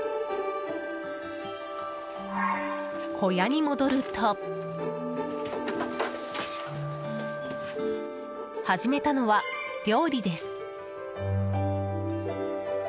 小屋に戻ると始めたのは料理です。